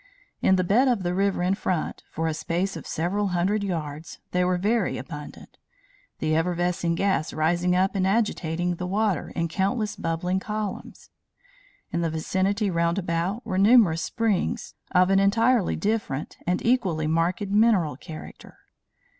In the bed of the river in front, for a space of several hundred yards, they were very abundant; the effervescing gas rising up and agitating the water in countless bubbling columns. In the vicinity round about were numerous springs of an entirely different and equally marked mineral character.